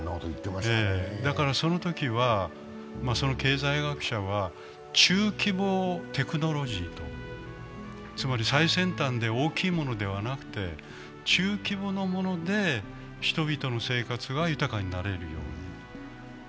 だからそのときは経済学者は中規模テクノロジーと、つまり最先端で大きいものではなくて中規模のもので人々の生活が豊かになれるように。